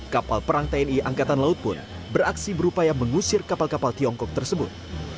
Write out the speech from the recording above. kapal perang tni angkatan laut pun beraksi berupaya mengusir kapal kapal tiongkok tersebut